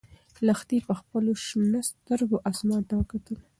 لښتې په خپلو شنه سترګو اسمان ته وکتل.